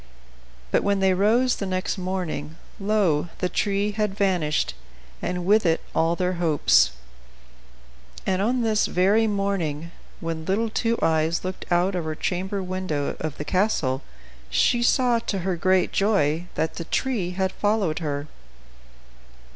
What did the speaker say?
But when they rose the next morning, lo! the tree had vanished, and with it all their hopes. And on this very morning, when little Two Eyes looked out of her chamber window of the castle, she saw, to her great joy, that the tree had followed her.